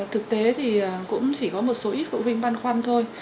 thực tế thì cũng chỉ có một số ít phụ huynh băn khoăn thôi